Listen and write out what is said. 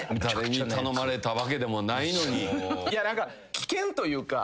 危険というか。